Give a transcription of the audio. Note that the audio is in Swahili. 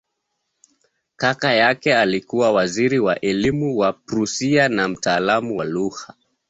Kaka yake alikuwa waziri wa elimu wa Prussia na mtaalamu wa lugha.